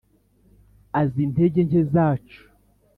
Az’intege nke zacu